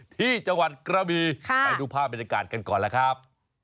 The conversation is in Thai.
ที่จังหวัดกระบีไปดูภาพบรรยากาศกันก่อนล่ะครับ